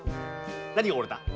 何が折れた？